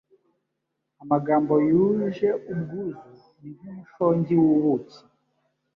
Amagambo yuje ubwuzu ni nk’umushongi w’ubuki